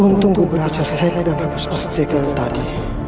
untungku berhasil menghenti dan hapus artikel tadi